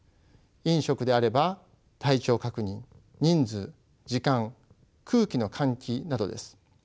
飲食であれば体調確認人数時間空気の換気などです。